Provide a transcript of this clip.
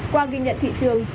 qua ghi nhận thị trường